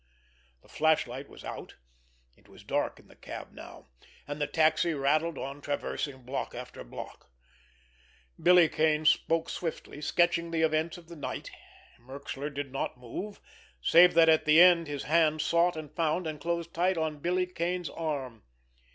The flashlight was out. It was dark in the cab now, and the taxi rattled on traversing block after block. Billy Kane spoke swiftly, sketching the events of the night. Merxler did not move, save that at the end his hand sought and found and closed tight upon Billy Kane's arm.